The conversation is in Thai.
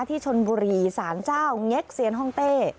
ที่ชนบุรีสารเจ้าเง็กเซียนห้องเต้